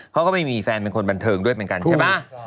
เขาก็ไม่มีแฟนบันเทิงด้วยใช่ไหม